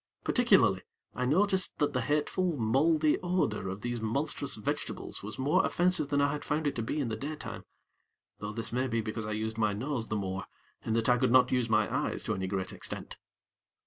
Particularly, I noticed that the hateful, mouldy odor of these monstrous vegetables was more offensive than I had found it to be in the daytime; though this may be because I used my nose the more, in that I could not use my eyes to any great extent.